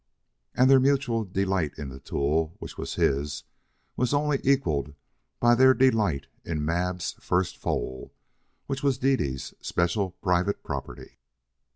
And their mutual delight in the tool, which was his, was only equalled by their delight in Mab's first foal, which was Dede's special private property.